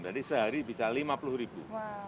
jadi sehari bisa lima puluh ribu